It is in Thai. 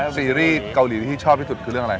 ซีรีส์เกาหลีที่ชอบที่สุดคือเรื่องอะไร